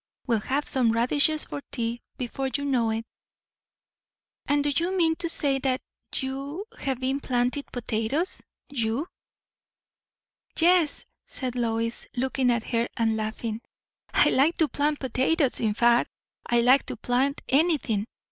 We'll have some radishes for tea, before you know it." "And do you mean to say that you have been planting potatoes? you?" "Yes," said Lois, looking at her and laughing. "I like to plant potatoes. In fact, I like to plant anything.